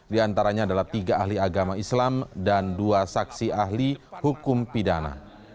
di antaranya adalah tiga ahli agama islam dan dua saksi ahli hukum pidana